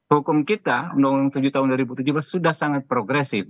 hukum kita undang undang tujuh tahun dua ribu tujuh belas sudah sangat progresif